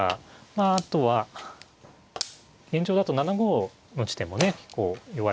まああとは現状だと７五の地点もね弱いところですかね。